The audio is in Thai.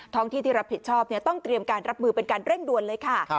ห้องที่ที่รับผิดชอบต้องเตรียมการรับมือเป็นการเร่งด่วนเลยค่ะ